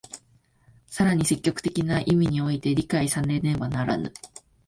更に積極的な意味において理解されねばならぬ。